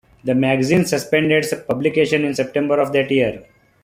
The magazine suspended publication in September of that year.